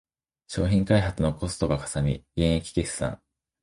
商品開発のコストがかさみ減益決算